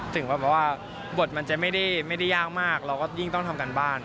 ถึงแบบว่าบทมันจะไม่ได้ยากมากเราก็ยิ่งต้องทำการบ้าน